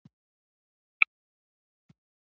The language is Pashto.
په دې هېواد کې د ډیموکراسۍ ټینګښت ستونزمن دی.